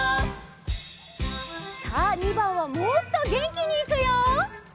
さあ２ばんはもっとげんきにいくよ！